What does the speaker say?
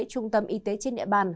trung tâm y tế trên địa bàn